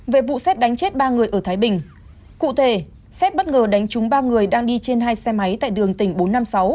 về vụ xét đánh chết ba người ở thái bình cụ thể xét bất ngờ đánh trúng ba người đang đi trên hai xe máy tại đường tỉnh bốn trăm năm mươi sáu